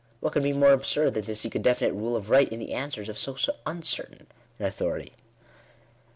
What can be more absurd than to seek a definite rule of right, in the answers of so uncertain an au thority?"